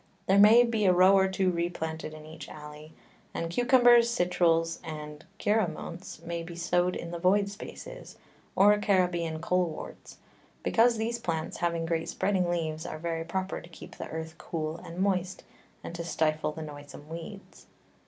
There may be a Row or two replanted in each Alley, and Cucumbers, Citruls, and [x]_Giraumonts_ may be sow'd in the void Spaces, or Caribean Coleworts; because these Plants having great spreading Leaves, are very proper to keep the Earth cool and moist, and to stifle the noisome Weeds.